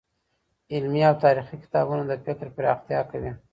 علمي او تاريخي کتابونه د فکر پراختيا کوي.